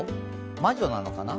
魔女なのかな？